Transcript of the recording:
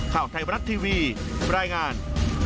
ข่าวไทยบรัฐทีวีรายงาน